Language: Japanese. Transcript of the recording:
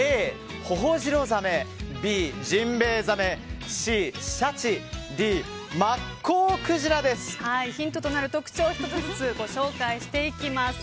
Ａ、ホホジロザメＢ、ジンベエザメＣ、シャチヒントとなる特徴を１つずつご紹介していきます。